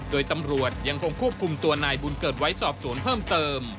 โดยตำรวจยังคงควบคุมตัวนายบุญเกิดไว้สอบสวนเพิ่มเติม